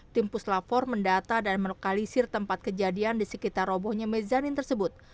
tim puslap empat mendata dan menekalisir tempat kejadian di sekitar robohnya mezanin tersebut